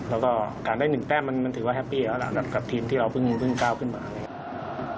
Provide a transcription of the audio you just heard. แล้วก็การได้๑แต้มมันถือว่าแฮปปี้แล้วล่ะกับทีมที่เราเพิ่งก้าวขึ้นมา